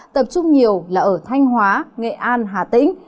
tập trung nhiều là ở thanh hóa nghệ an hà tĩnh